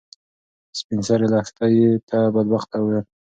سپین سرې لښتې ته بدبخته وویل.